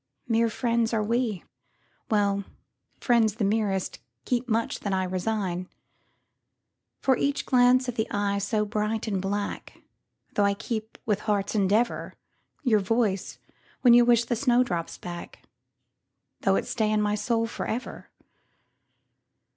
Mere friends are we,—well, friends the merestKeep much that I resign:For each glance of the eye so bright and black, Though I keep with heart's endeavour,—Your voice, when you wish the snowdrops back, Though it stay in my soul for ever!